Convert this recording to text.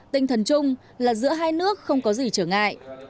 tinh thần chung là giữa hai nước không có gì trở ngại